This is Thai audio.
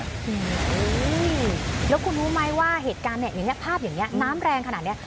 แล้วคุณรู้ไหมว่าเหตุการณ์ภาพอย่างนี้น้ำแรงขนาดนี้